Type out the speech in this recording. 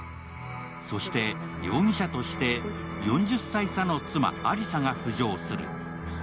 そして、容疑者として４０歳差の妻・亜理紗が浮上する。